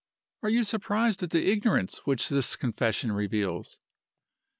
"Are you surprised at the ignorance which this confession reveals?